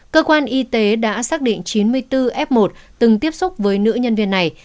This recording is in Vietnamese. cơ quan y tế đã xác định chín mươi bốn f một từng tiếp xúc với nữ nhân viên này